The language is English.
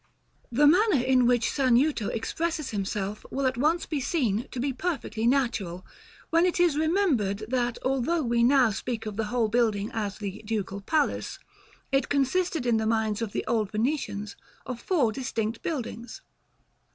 The manner in which Sanuto expresses himself will at once be seen to be perfectly natural, when it is remembered that although we now speak of the whole building as the "Ducal Palace," it consisted, in the minds of the old Venetians, of four distinct buildings.